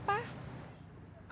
kalau bukan tumpengnya